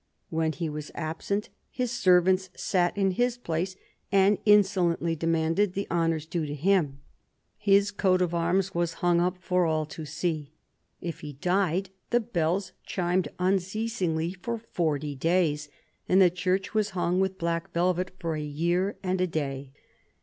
When he was absent, his servants sat in his place and insolently demanded the honours due to hjm. His coat of arras was hung up for 6 CARDINAL DE RICHELIEU all to see. If he died, the bells chimed unceasingly for forty days, and the church was hung with black velvet for a year and a day.